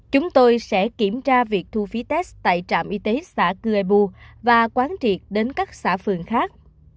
chúng tôi sẽ kiểm tra việc thu phí test tại trạm y tế xã cư ê bu và quán triệt đến các xã phường khác